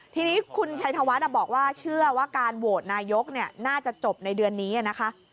ทีนี้คุณชัยธวัฒน์บอกว่าเชื่อว่าการโหวตนายกน่าจะจบในเดือนนี้นะคะ